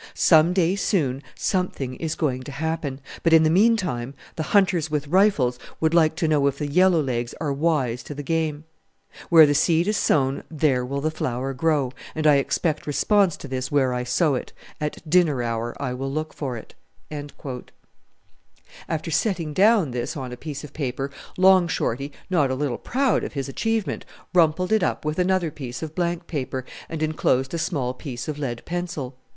Some day soon something is going to happen, but in the meantime the hunters with rifles would like to know if the yellow legs are wise to the game. Where the seed is sown there will the flower grow, and I expect response to this where I sow it; at dinner hour I will look for it." After setting down this on a piece of paper, Long Shorty, not a little proud of his achievement, rumpled it up with another piece of blank paper and enclosed a small piece of lead pencil.